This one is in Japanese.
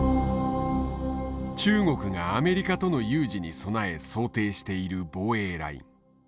中国がアメリカとの有事に備え想定している防衛ライン。